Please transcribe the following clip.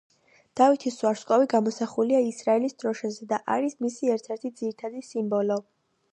დავითის ვარსკვლავი გამოსახულია ისრაელის დროშაზე და არის მისი ერთ-ერთი ძირითადი სიმბოლო.